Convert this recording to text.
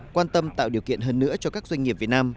quan tâm tạo điều kiện hơn nữa cho các doanh nghiệp việt nam